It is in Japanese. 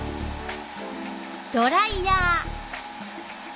ドライヤー。